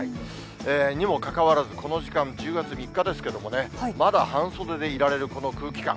にもかかわらず、この時間、１０月３日ですけれども、まだ半袖でいられるこの空気感。